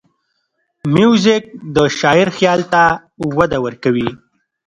موزیک د شاعر خیال ته وده ورکوي.